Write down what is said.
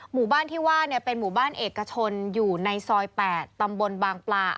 หมู่บ้านที่ว่าเป็นหมู่บ้านเอกชนอยู่ในซอย๘ตำบลบางปลา